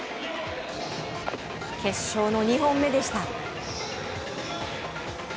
決勝の２本目でした。